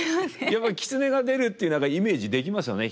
やっぱり狐が出るっていう何かイメージできますよね。